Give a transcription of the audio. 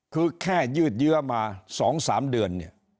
คือแค่ยืดเยอะมา๒๓เดือน